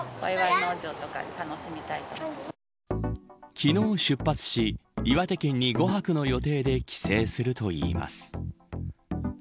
昨日出発し岩手県に５泊の予定で帰省するといいます。